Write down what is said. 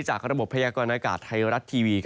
จากระบบพยากรณากาศไทยรัฐทีวี